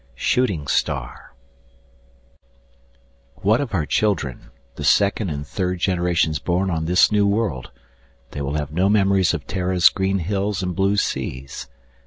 10036 "What of our children the second and third generations born on this new world? They will have no memories of Terra's green hills and blue seas.